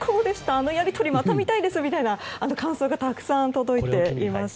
あのやり取り、また見たいですみたいな感想がたくさん届いていました。